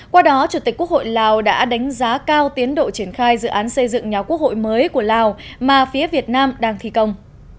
qua đó chủ tịch quốc hội lào đã đánh giá cao tiến độ triển khai dự án xây dựng nhà quốc hội mới của lào mà phía việt nam đang thi công